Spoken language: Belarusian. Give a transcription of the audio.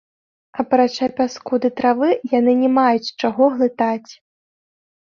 Апрача пяску ды травы, яны не маюць чаго глытаць.